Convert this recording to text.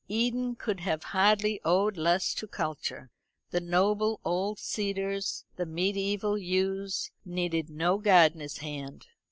Eden could have hardly owed less to culture. The noble old cedars, the mediaeval yews, needed no gardener's hand.